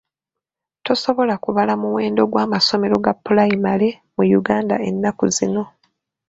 Tosobola kubala muwendo gw'amasomero ga pulayimale mu Uganda ennaku zino.